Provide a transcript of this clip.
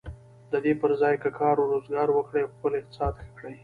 د دې پر ځای که کار و روزګار وکړي او خپل اقتصاد ښه کړي.